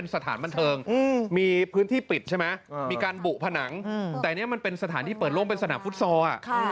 สถานบันเทิงมีพื้นที่ปิดใช่ไหมมีการบุผนังแต่นี่มันเป็นสถานที่เปิดโล่งเป็นสนามฟุตซอล